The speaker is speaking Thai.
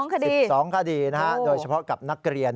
๑๒คดี๑๒คดีนะครับโดยเฉพาะกับนักเรียน